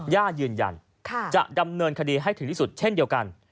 ย่ายืนยันจะดำเนินคดีให้ถึงที่สุดเช่นเดียวกัน